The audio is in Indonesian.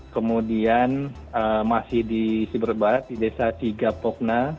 kemudian masih di siber barat di desa tiga pokna